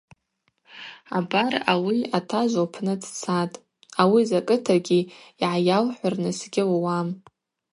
Абар ауи атажв лпны дцатӏ, ауи закӏытагьи йгӏайалхӏвырныс гьылуам.